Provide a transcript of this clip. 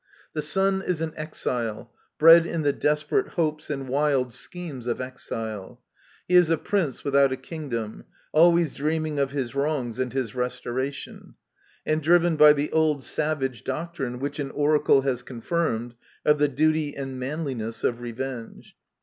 The son is an exile, bred in the desperate hopes and wild schemes of exile ; he is a prince without a kingdom, always dreaming of his wrongs and his restoration ; and driven by the old savage doctrine, which an oracle has confirmed, of the duty and manliness of revenge.